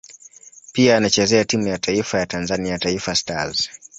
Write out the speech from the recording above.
Pia anachezea timu ya taifa ya Tanzania Taifa Stars.